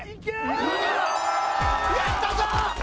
やったぞ！